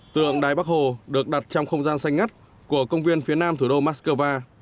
tượng đài bắc hồ được đặt trong không gian xanh ngắt của công viên phía nam thủ đô moscow